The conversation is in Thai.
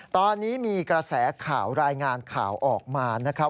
ตอนนี้มีกระแสข่าวรายงานข่าวออกมานะครับ